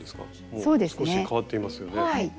そうですね。も少し変わっていますよね。